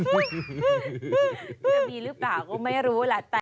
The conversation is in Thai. มีหรือเปล่าก็ไม่รู้ล่ะ